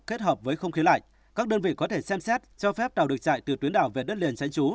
kết hợp với không khí lạnh các đơn vị có thể xem xét cho phép đảo được chạy từ tuyến đảo về đất liền tránh trú